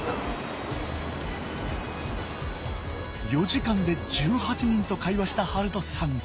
４時間で１８人と会話した遥人さん。